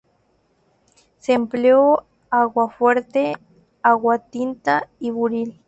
Se empleó aguafuerte, aguatinta y buril.